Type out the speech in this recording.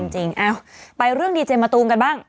เอาไปเรื่องดีเจมะตูมกันบ้าง